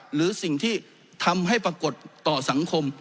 หรือสิ่งที่ทำให้ปรากฏต่อสังคม